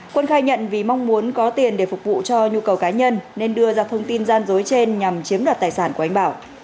quân khai nhận vì mong muốn có tiền để phục vụ cho nhu cầu cá nhân nên đưa ra thông tin gian dối trên nhằm chiếm đoạt tài sản của anh bảo